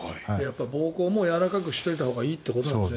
膀胱もやわらかくしておいたほうがいいということですね。